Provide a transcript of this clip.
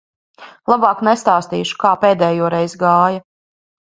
Labāk nestāstīšu, kā pēdējoreiz gāja.